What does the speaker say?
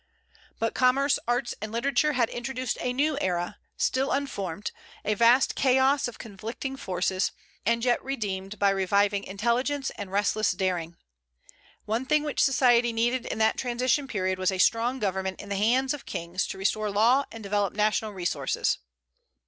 But commerce, arts, and literature had introduced a new era, still unformed, a vast chaos of conflicting forces, and yet redeemed by reviving intelligence and restless daring. The one thing which society needed in that transition period was a strong government in the hands of kings, to restore law and develop national resources.